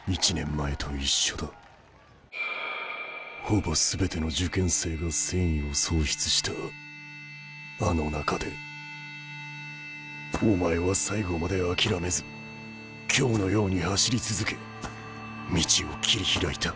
ほぼ全ての受験生が戦意を喪失したあの中でお前は最後まで諦めず今日のように走り続け道を切り開いた。